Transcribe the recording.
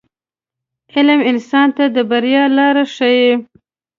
• علم انسان ته د بریا لار ښیي.